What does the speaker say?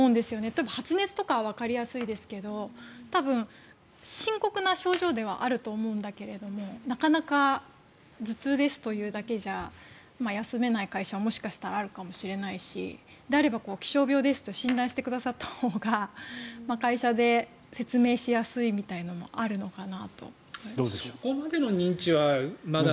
例えば、発熱とかはわかりやすいですけど多分、深刻な症状ではあると思うんだけれどもなかなか頭痛ですというだけじゃ休めない会社ももしかしたらあるかもしれないしであると、気象病ですと診断してくださったほうが会社で説明しやすいみたいなのもあるのかなと。